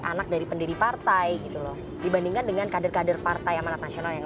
anak dari pendiri partai gitu loh dibandingkan dengan kader kader partai amanat nasional yang